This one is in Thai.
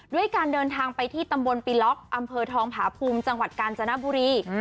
ด้วยการเดินทางไปที่ตำบลปีล็อกอำเภอทองผาภูมิจังหวัดกาญจนบุรี